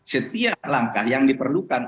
setiap langkah yang diperlukan